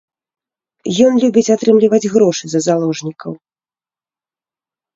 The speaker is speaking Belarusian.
Ён любіць атрымліваць грошы за заложнікаў.